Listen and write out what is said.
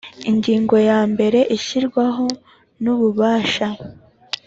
Ingingo yambere Ishyirwaho n ububasha